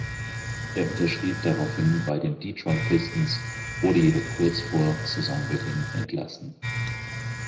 Er unterschrieb daraufhin bei den Detroit Pistons, wurde jedoch kurz vor Saisonbeginn entlassen.